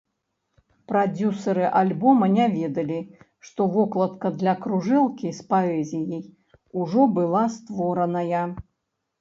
Прадзюсары альбома не ведалі, што вокладка для кружэлкі з паэзіяй ужо была створаная.